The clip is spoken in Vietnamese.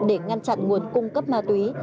để ngăn chặn nguồn cung cấp ma túy